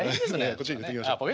こっちに入れときましょう。